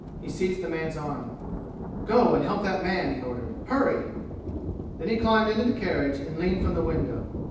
He seized the man's arm. "Go and help that man!" he ordered. "Hurry!" Then he climbed into the carriage and leaned from the window.